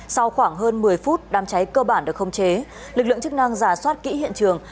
sau khoảng hơn một mươi phút đám cháy cơ bản được không chế lực lượng chức năng giả soát kỹ hiện trường